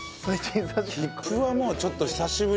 切符はもうちょっと久しぶり。